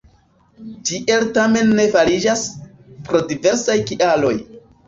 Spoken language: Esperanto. Tiel tamen ne fariĝas, pro diversaj kialoj.